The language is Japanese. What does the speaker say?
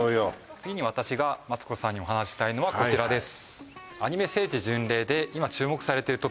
次に私がマツコさんにお話ししたいのはこちらです